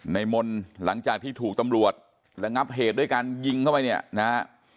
มนต์หลังจากที่ถูกตำรวจระงับเหตุด้วยการยิงเข้าไปเนี่ยนะฮะ